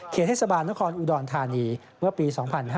เขียนให้สบายนครอุดรธานีเมื่อปี๒๕๕๒